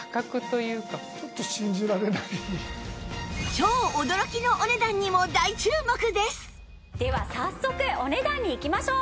ここででは早速お値段にいきましょう！